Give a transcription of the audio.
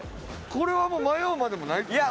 これはもう迷うまでもないですよね。